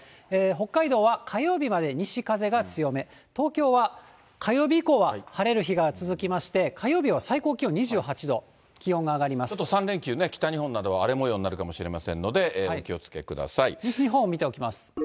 北海道は火曜日まで西風が強め、東京は火曜日以降は、晴れる日が続きまして、火曜日は最高気温２８度、ちょっと３連休、北日本などは荒れもようになるかもしれませんので、お気をつけく西日本を見ておきます。